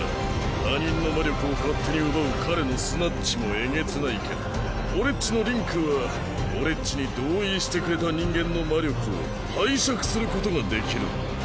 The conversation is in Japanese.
他人の魔力を勝手に奪う彼の「強奪」もえげつないけど俺っちの「同調」は俺っちに同意してくれた人間の魔力を拝借することができるんだ。